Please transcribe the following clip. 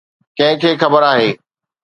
ڪنهن کي خبر آهي.